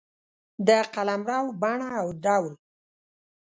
د قلمرو بڼه او ډول